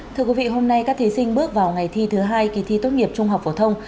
thưa quý vị hôm nay các thí sinh bước vào ngày thi thứ hai kỳ thi tốt nghiệp trung học phổ thông